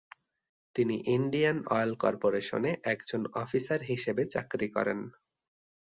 তিনি Indian oil কর্পোরেশনে একজন অফিসার হিসেবে চাকরি করেন।